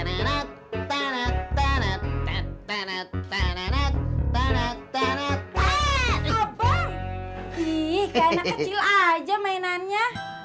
ih kayaknya kecil aja mainannya